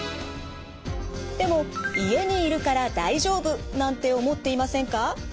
でも家にいるから大丈夫なんて思っていませんか？